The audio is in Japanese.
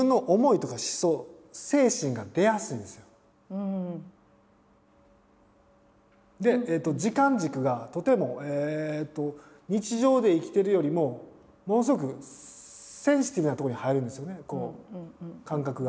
うん。で時間軸がとても日常で生きてるよりもものすごくセンシティブなとこに入るんですよね感覚が。